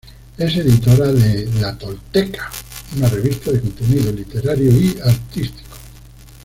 Es editora de "La Tolteca", una revista de contenido literario y artístico.